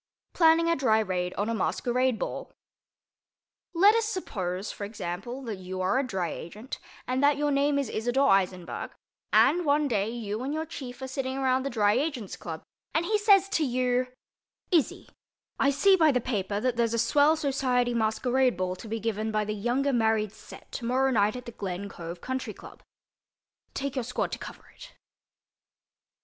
PLANNING A DRY RAID ON A MASQUERADE BALL Let us suppose, for example, that you are a Dry Agent and that your name is Isador Eisenberg, and, one day, you and your chief are sitting around the Dry Agent's Club and he says to you, "Izzy—I see by the paper that there's a swell society masquerade ball to be given by the younger married set tomorrow night at the Glen Cove Country Club. Take your squad to cover it."